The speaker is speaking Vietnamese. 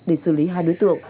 để xử lý hai đối tượng